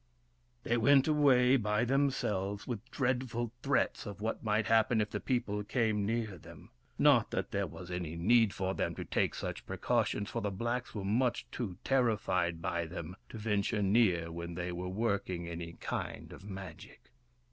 They went away by themselves, with dreadful threats of what might happen if the people came near them — not that there was any need for them to take such precautions, for the blacks were much too terrified by them to venture near when they were working any kind of Magic.